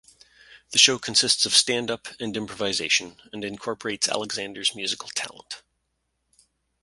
The show consists of stand-up and improvisation and incorporates Alexander's musical talent.